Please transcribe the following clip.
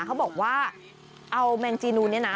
เขาบอกว่าเอาแมงจีนูนเนี่ยนะ